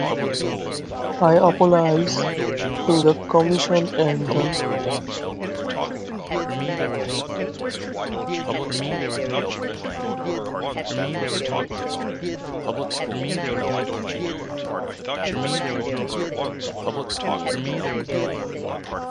I apologize to the commission and to John Stossel.